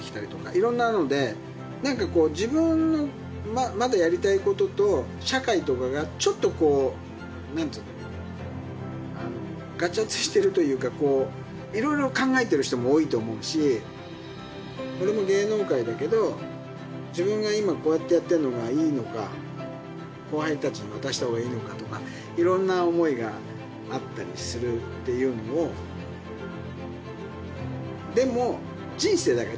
いろんなので、なんかこう、自分のまだやりたいことと社会とかがちょっとこう、なんていうの、がちゃついてるというか、いろいろ考えている人も多いと思うし、俺も芸能界だけど、自分が今、こうやってやってるのがいいのか、後輩たちに渡したほうがいいのかとか、いろんな思いがあったりするというのを、でも、人生だから。